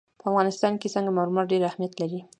په افغانستان کې سنگ مرمر ډېر اهمیت لري.